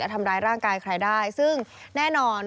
ทำร้ายร่างกายใครได้ซึ่งแน่นอน